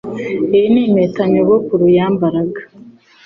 Iyi ni impeta nyogokuru yambaraga